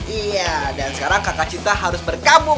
iya dan sekarang kakak cinta harus berkabung